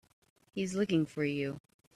He's looking for you.